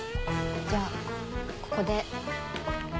じゃあここで。